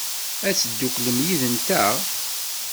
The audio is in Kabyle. Ad tedduklem yid-nteɣ?